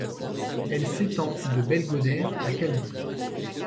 Elle s'étend de Belgodère à Calvi.